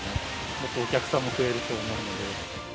もっとお客さんも増えると思うので。